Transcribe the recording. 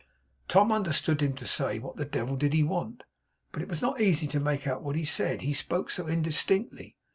Tom understood him to say, what the devil did he want; but it was not easy to make out what he said; he spoke so indistinctly.